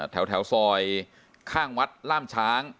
แถวซอยข้างวัดล่ามช้าง